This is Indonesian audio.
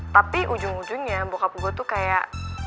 tapi ujung ujungnya bokap gue tuh kayak